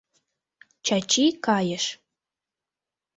Чачи кайыш.